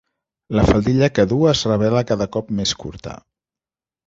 La faldilla que du es revela cada cop més curta.